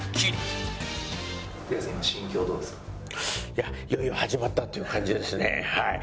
いやいよいよ始まったという感じですねはい。